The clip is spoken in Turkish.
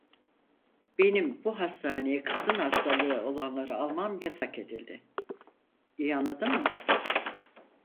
Benim bu hastaneye kadın hastalığı olanları almam yasak edildi. İyi anladın mı?